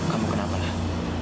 kamu kenapa lah